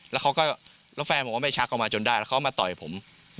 แล้วแฟนผมก็ไม่ชักออกมาจนได้แล้วเขามาต่อยผม